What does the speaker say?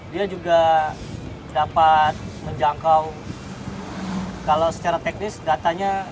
dia juga dapat menjangkau kalau secara teknis datanya